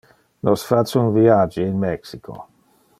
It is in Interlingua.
Nos face un viage in Mexico.